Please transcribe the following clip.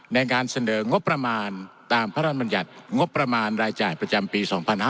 ในการเสนองบประมาณตามพระราชบัญญัติงบประมาณรายจ่ายประจำปี๒๕๕๙